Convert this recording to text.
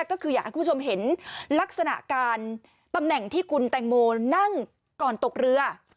ก็คืออยากให้คุณผู้ชมเห็นลักษณะการตำแหน่งที่คุณแตงโมนั่งก่อนตกเรือ